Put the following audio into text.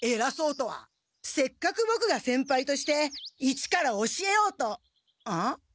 せっかくボクが先輩として一から教えようとん？